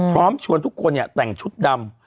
พร้อมชวนทุกคนแต่งชุดดำ